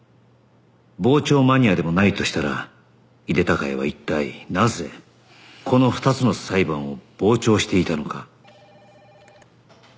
傍聴マニアでもないとしたら井手孝也は一体なぜこの２つの裁判を傍聴していたのか